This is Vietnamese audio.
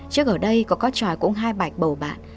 trước ở đây có có tròi cũng hai bạch bầu bạn